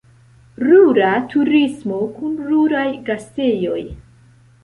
Rura turismo kun ruraj gastejoj.